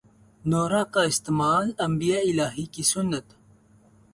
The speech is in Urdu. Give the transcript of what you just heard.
نورہ کا استعمال انبیائے الہی کی سنت